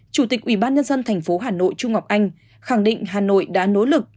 chủ tịch ubnd tp hà nội trung ngọc anh khẳng định hà nội đã nỗ lực